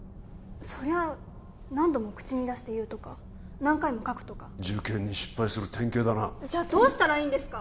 そりゃあ何度も口に出して言うとか何回も書くとか受験に失敗する典型だなじゃどうしたらいいんですか？